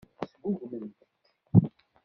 Sgugment-k.